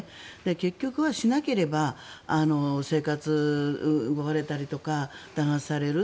結局はしなければ生活を奪われたりとか弾圧される。